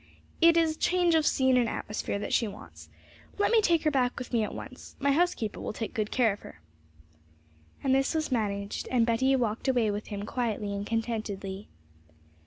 'It is change of scene and atmosphere that she wants. Let me take her back with me at once; my housekeeper will take good care of her.' And this was managed, and Betty walked away with him quietly and contentedly.